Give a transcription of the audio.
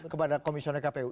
kepada komisioner kpu